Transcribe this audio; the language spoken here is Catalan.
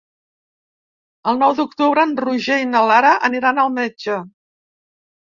El nou d'octubre en Roger i na Lara aniran al metge.